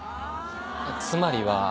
つまりは。